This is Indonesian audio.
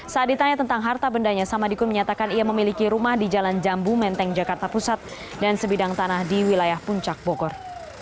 saat ditanya tentang harta bendanya samadikun menyatakan ia memiliki rumah di jalan jambu menteng jakarta pusat dan sebidang tanah di wilayah puncak bogor